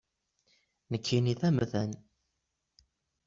Nekkini d amdan.